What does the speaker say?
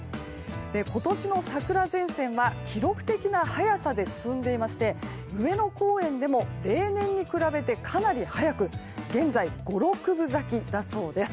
今年の桜前線は記録的な早さで進んでいまして上野公園でも例年に比べてかなり早く現在、５６分咲きだそうです。